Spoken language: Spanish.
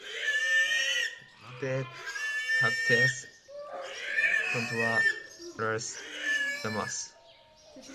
No te jactes contra las ramas;